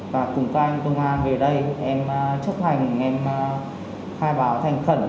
và cùng các anh công an về đây em chấp hành em khai báo thành khẩn